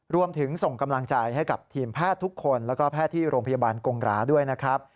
ส่งกำลังใจให้กับทีมแพทย์ทุกคนแล้วก็แพทย์ที่โรงพยาบาลกงราด้วยนะครับ